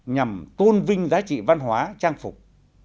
nhằm tôn vinh giá trị văn hóa trang phục